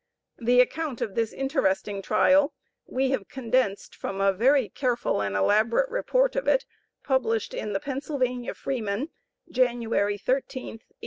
The account of this interesting trial, we have condensed from a very careful and elaborate report of it published in the "Pennsylvania Freeman," January 13th, 1857.